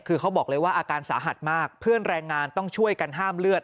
คือเขาบอกเลยว่าอาการสาหัสมากเพื่อนแรงงานต้องช่วยกันห้ามเลือด